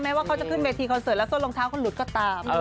แม้ว่าเขาจะขึ้นเวทีคอนเสิร์ตแล้วโซ่ลองเท้าก็ลุดก็ตาม